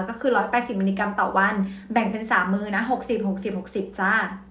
ก็คือ๑๘๐มิลลิกรัมต่อวันแบ่งเป็น๓มือนะ๖๐๖๐๖๐จ้า